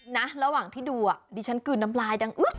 ระหว่างที่ดูดิฉันกลืนน้ำลายดังอึ๊ก